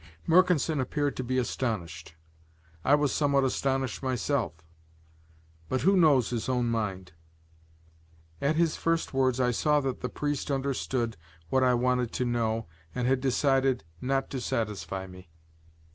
Mercanson appeared to be astonished. I was somewhat astonished myself; but who knows his own mind? At his first words, I saw that the priest understood what I wanted to know and had decided not to satisfy me.